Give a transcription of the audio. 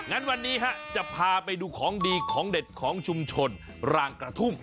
งั้นวันนี้จะพาไปดูของดีของเด็ดของชุมชนรางกระทุ่ม